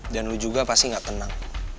dan lo juga pasti gak tenang